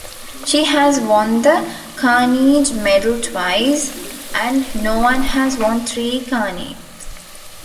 She has won the Carnegie Medal twice, and no one has won three Carnegies.